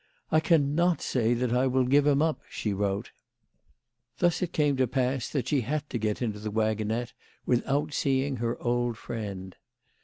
" I cannot say that I will give him up," she wrote. Thus it came to pass that she had 154 THE LADY OP LAUNAY. to get into the waggonette without seeing her old friend.